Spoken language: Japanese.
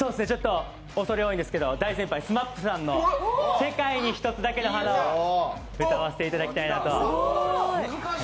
おそれ多いんですけれども大先輩のＳＭＡＰさんの「世界に一つだけの花」を歌わせていただきたいなと。